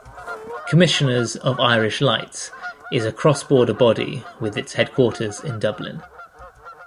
Commissioners of Irish Lights is a cross-border body, with its headquarters in Dublin.